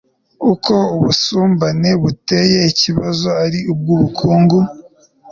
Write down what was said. ko ubusumbane buteye ikibazo ari ubw'ubukungu